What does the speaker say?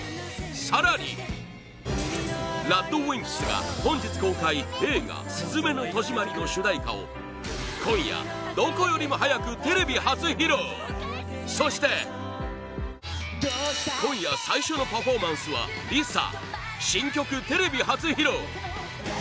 更にＲＡＤＷＩＭＰＳが本日公開映画「すずめの戸締まり」の主題歌を今夜、どこよりも早くテレビ初披露そして今夜最初のパフォーマンスはＬｉＳＡ新曲テレビ初披露